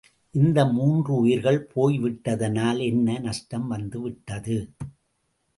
இந்த மூன்று உயிர்கள் போய்விட்டதனால் என்ன நஷ்டம் வந்துவிட்டது?